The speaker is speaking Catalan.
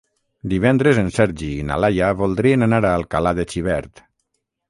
Divendres en Sergi i na Laia voldrien anar a Alcalà de Xivert.